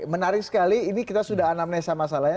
menarik sekali ini kita sudah anamnesa masalahnya